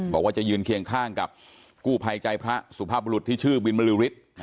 บอกว่าจะยืนเคียงข้างกับกู้ภัยใจพระสุภาพบุรุษที่ชื่อวินบริฤทธิ์